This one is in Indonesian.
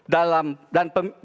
dan kebebasan berkumpul